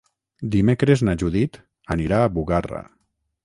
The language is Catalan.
Dimecres na Judit anirà a Bugarra.